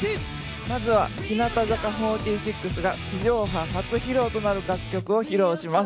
まずは日向坂４６が地上波初披露となる楽曲を披露します。